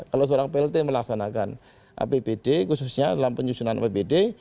kalau seorang plt melaksanakan apbd khususnya dalam penyusunan apbd